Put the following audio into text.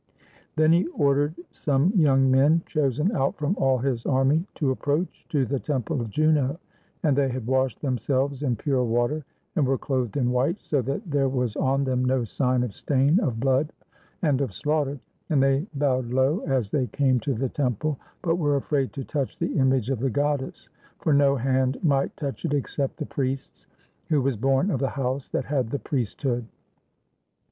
Then he ordered some young men, chosen out from all his army, to approach to the temple of Juno; and they had washed themselves in pure water, and were clothed in white, so that there was on them no sign of stain of blood and of slaughter; and they bowed low as they came to the temple, but were afraid to touch the image of the goddess, for no hand might touch it except the priest's who was born of the house that had the priest hood.